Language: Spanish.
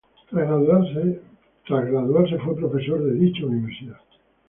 Tras graduarse, fue profesor de dicha universidad.